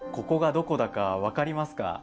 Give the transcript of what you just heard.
ここがどこだか分かりますか？